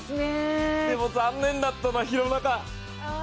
でも残念だったのは廣中！